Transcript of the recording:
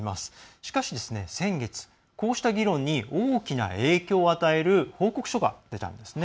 しかし先月、こうした議論に大きな影響を与える報告書が出たんですね。